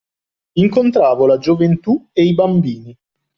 Incontravo la gioventù e i bambini